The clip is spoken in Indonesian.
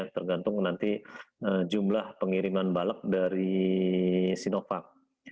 tergantung nanti jumlah pengiriman balap dari sinovac